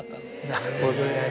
なるほどね。